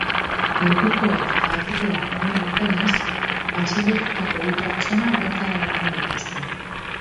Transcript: Lekukoek jakitera eman dutenez atxilotutako bi pertsona bertara eraman dituzte.